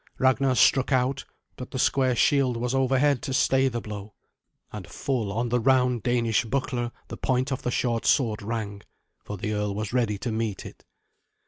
Ragnar struck out, but the square shield was overhead to stay the blow, and full on the round Danish buckler the point of the short sword rang, for the earl was ready to meet it.